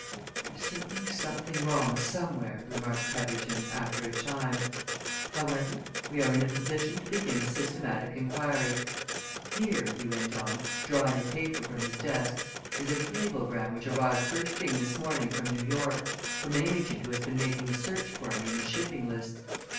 "There is certainly something wrong, somewhere," remarked Petherton, after a time. "However, we are in a position to begin a systematic inquiry. Here," he went on, drawing a paper from his desk, "is a cablegram which arrived first thing this morning from New York from an agent who has been making a search for me in the shipping lists.